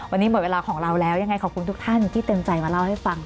วันนี้หมดเวลาของเราแล้วยังไงขอบคุณทุกท่านที่เต็มใจมาเล่าให้ฟัง